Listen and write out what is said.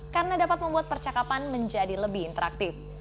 karena dapat membuat percakapan menjadi lebih interaktif